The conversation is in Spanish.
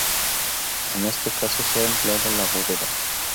En este caso se ha empleado la bóveda.